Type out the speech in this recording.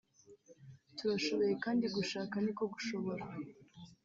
“Turashoboye kandi gushaka ni ko gushobora